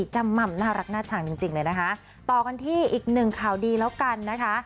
จำหม่ำน่ารักน่าชังจริงเลยนะคะต่อกันที่อีกหนึ่งข่าวดีแล้วกันนะคะ